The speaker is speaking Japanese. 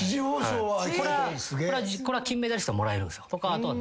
これは金メダリストはもらえるんすよ。とかあとは。